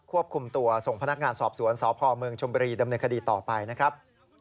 ควบคุมตัวส่งพนักงานสอบสวนสพเมืองชมบุรีดำเนินคดีต่อไปนะครับ